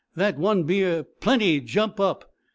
That one beer PLENTY jump up!"